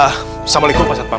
assalamualaikum pak satpam